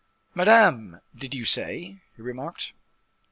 "Madame, did you say?" he remarked.